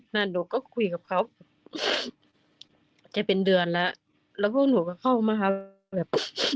หนูก็คุยกับเขาจะเป็นเดือนแล้วแล้วพวกหนูก็เข้ามาครับแบบ